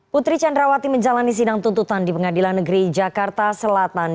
putri candrawati menjalani sidang tuntutan di pengadilan negeri jakarta selatan